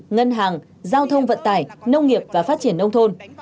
ngân hàng giao thông vận tải nông nghiệp và phát triển nông thôn